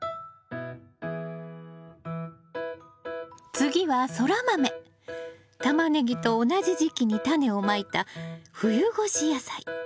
次はタマネギと同じ時期にタネをまいた冬越し野菜。